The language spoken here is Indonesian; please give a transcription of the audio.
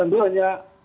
alasan itu hanya dua